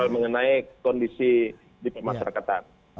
mengenai kondisi di pemasyarakatan